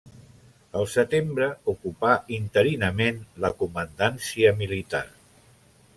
El setembre, ocupà interinament la comandància militar.